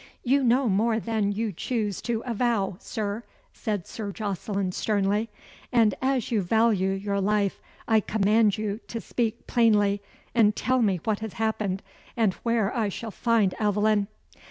"You know more than you choose to avow, Sir," said Sir Jocelyn sternly, "and as you value your life, I command you to speak plainly, and tell me what has happened, and where I shall find Aveline."